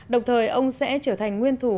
đồng thời ông sẽ trở thành nguyên thủ